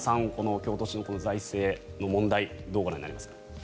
京都市の財政の問題をどうご覧になりますか。